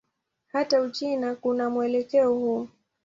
Hata Uchina kuna mwelekeo huu.